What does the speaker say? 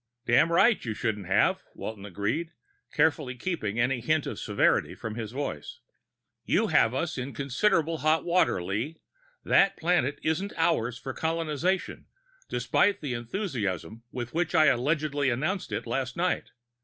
"Damned right you shouldn't have," Walton agreed, carefully keeping any hint of severity from his voice. "You have us in considerable hot water, Lee. That planet isn't ours for colonization, despite the enthusiasm with which I allegedly announced it last night.